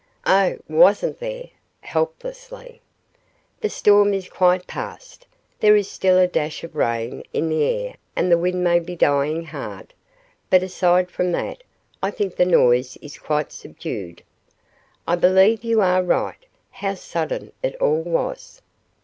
"Oh, wasn't there?" helplessly. "The storm is quite past. There is still a dash of rain in the air and the wind may be dying hard, but aside from that I think the noise is quite subdued." "I believe you are right. How sudden it all was."